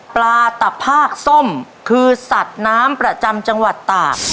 ตะภาคส้มคือสัตว์น้ำประจำจังหวัดตาก